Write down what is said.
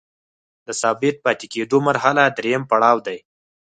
د ثابت پاتې کیدو مرحله دریم پړاو دی.